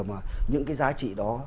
mà những cái giá trị đó